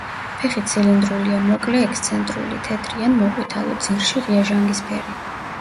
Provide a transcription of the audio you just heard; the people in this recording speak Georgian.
ფეხი ცილინდრულია, მოკლე, ექსცენტრული, თეთრი ან მოყვითალო, ძირში ღია ჟანგისფერი.